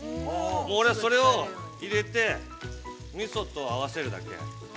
もう俺は、それを入れてみそと合わせるだけ。